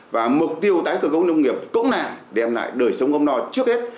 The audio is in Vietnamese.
và mục tiêu tái cơ cấu nông nghiệp cũng là đem lại đời sống ấm no trước hết